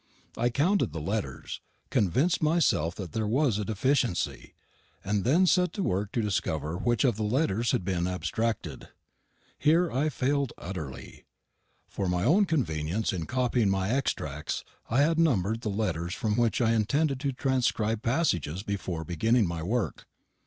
I counted the letters, convinced myself that there was a deficiency, and then set to work to discover which of the letters had been abstracted. Here I failed utterly. For my own convenience in copying my extracts, I had numbered the letters from which I intended to transcribe passages before beginning my work.